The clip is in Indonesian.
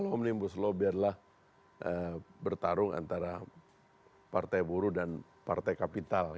omnibus law biarlah bertarung antara partai buruh dan partai kapital